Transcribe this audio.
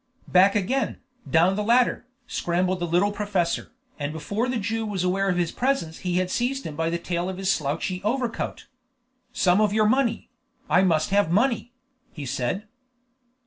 Back again, down the ladder, scrambled the little professor, and before the Jew was aware of his presence he had seized him by the tail of his slouchy overcoat. "Some of your money! I must have money!" he said.